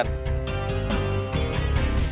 jangan jadi pengkhianat